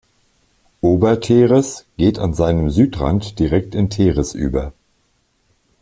Obertheres geht an seinem Südrand direkt in Theres über.